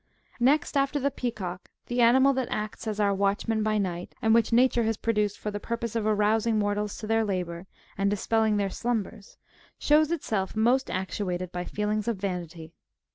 Next after the peacock, the animal that acts as our watch man by night, and which Nature has produced for the purpose of arousing mortals to their labours, and dispelling their slum bers, shows itself most actuated by feelings of vanity.